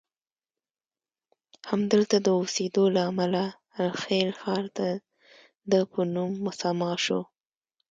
همدلته د اوسیدو له امله الخلیل ښار دده په نوم مسمی شو.